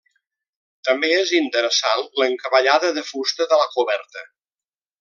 També és interessant l'encavallada de fusta de la coberta.